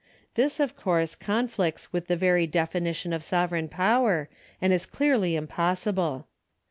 This, of course, conflicts with the very definition of sovereign power, and is clearly impossible.